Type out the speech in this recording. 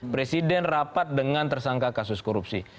presiden rapat dengan tersangka kasus korupsi